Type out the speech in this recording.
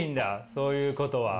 そういうことは。